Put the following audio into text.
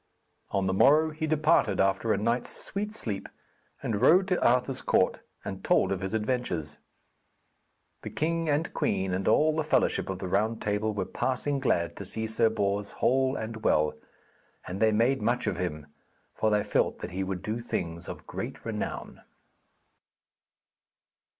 On the morrow he departed after a night's sweet sleep, and rode to Arthur's court and told of his adventures. The king and queen and all the fellowship of the Round Table were passing glad to see Sir Bors whole and well, and they made much of him, for they felt that he would do things of great renown.